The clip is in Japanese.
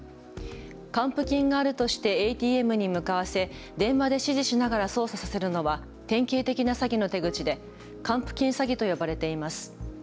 還付金があるとしてＡＴＭに向かわせ、電話で指示しながら操作させるのは典型的な詐欺の手口で還付金詐欺と呼ばれています。